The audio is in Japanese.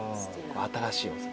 新しいお酒。